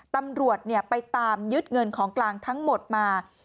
ตำรวจไปตามยึดเงินของกลางทั้งหมดมา